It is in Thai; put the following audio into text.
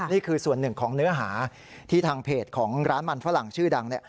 นี่คือส่วนหนึ่งของเนื้อหาที่ทางเพจของร้านมันฝรั่งชื่อดังเนี่ย